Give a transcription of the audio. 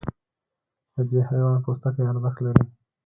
د دې حیوان پوستکی ارزښت لري.